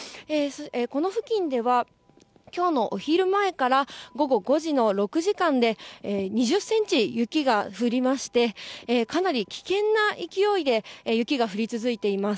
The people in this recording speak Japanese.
この付近では、きょうのお昼前から午後５時の６時間で、２０センチ、雪が降りまして、かなり危険な勢いで雪が降り続いています。